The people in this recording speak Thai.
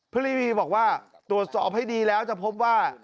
รีวีบอกว่าตรวจสอบให้ดีแล้วจะพบว่า